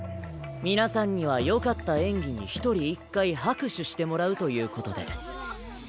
皆さんにはよかった演技に１人１回拍手してもらうということで。